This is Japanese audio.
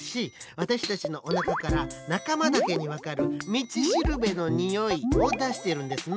わたしたちのおなかからなかまだけにわかる「みちしるべのにおい」をだしているんですの。